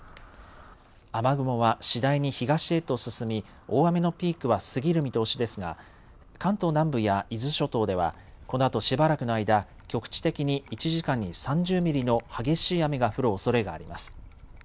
雨雲は次第に東へと進み大雨のピークは過ぎる見通しですが関東南部や伊豆諸島ではこのあとしばらくの間、局地的に１時間に３０ミリの激しい雨が降るおそれがあります。